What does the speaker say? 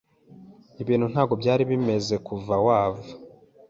Ibintu ntabwo byari bimeze kuva wava.